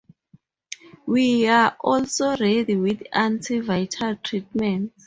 We’re also ready with anti-viral treatments.